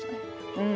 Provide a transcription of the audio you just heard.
うん。